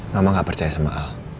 mama gak percaya sama al